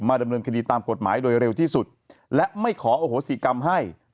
ดำเนินคดีตามกฎหมายโดยเร็วที่สุดและไม่ขอโอโหสิกรรมให้